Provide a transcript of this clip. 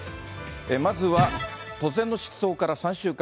まずは突然の失踪から３週間。